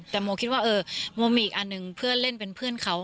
แต่โมคิดว่าเออโมมีอีกอันหนึ่งเพื่อนเล่นเป็นเพื่อนเขา